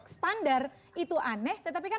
standar itu aneh tetapi kan